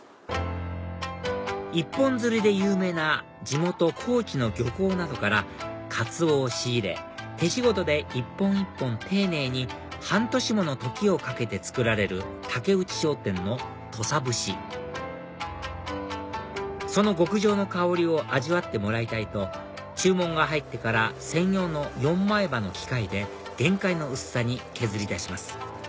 一本釣りで有名な地元高知の漁港などからカツオを仕入れ手仕事で一本一本丁寧に半年もの時をかけて作られる竹内商店の土佐節その極上の香りを味わってもらいたいと注文が入ってから専用の４枚刃の機械で限界の薄さに削り出します